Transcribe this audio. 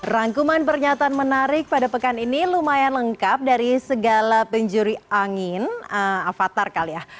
rangkuman pernyataan menarik pada pekan ini lumayan lengkap dari segala penjuri angin avatar kali ya